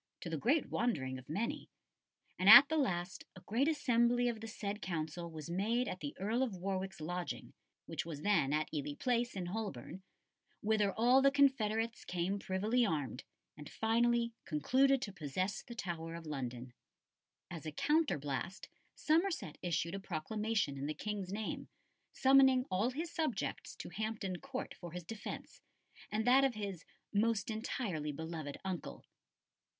to the great wondering of many; and at the last a great assembly of the said Council was made at the Earl of Warwick's lodging, which was then at Ely Place, in Holborn, whither all the confederates came privily armed, and finally concluded to possess the Tower of London." As a counterblast, Somerset issued a proclamation in the King's name, summoning all his subjects to Hampton Court for his defence and that of his "most entirely beloved uncle."